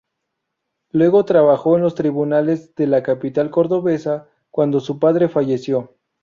Luego trabajó en los tribunales de la capital cordobesa cuando su padre falleció.